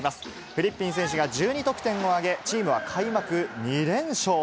フリッピン選手が１２得点を挙げ、チームは開幕２連勝。